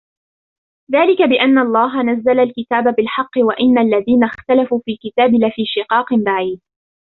ذَلِكَ بِأَنَّ اللَّهَ نَزَّلَ الْكِتَابَ بِالْحَقِّ وَإِنَّ الَّذِينَ اخْتَلَفُوا فِي الْكِتَابِ لَفِي شِقَاقٍ بَعِيدٍ